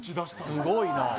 すごいな。